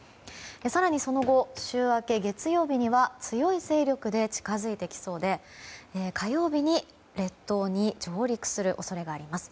更にその後週明け、月曜日には強い勢力で近づいてきそうで、火曜日に列島に上陸する恐れがあります。